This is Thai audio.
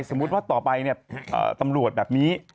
สมมุติว่าต่อไปเนี่ยตำรวจแบบนี้